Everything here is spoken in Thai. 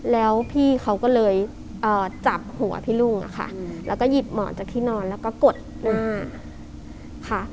แล้วพี่เขาก็เลยจับหัวพี่ลุงอะค่ะแล้วก็หยิบหมอนจากที่นอนแล้วก็กดหน้าค่ะ